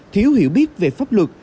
thiếu hiểu biết về pháp luật